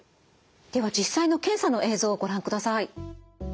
では実際の検査の映像をご覧ください。